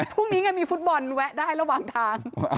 พรุ่งนี้ไงมีฟุตบอลแวะได้ระหว่างทาง